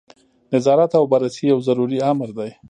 نظارت او بررسي یو ضروري امر دی.